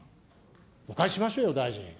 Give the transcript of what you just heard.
お返ししましょうよ、大臣。